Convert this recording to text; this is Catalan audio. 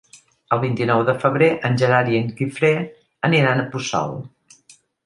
El vint-i-nou de febrer en Gerard i en Guifré aniran a Puçol.